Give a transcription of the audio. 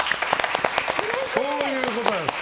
そういうことなんです。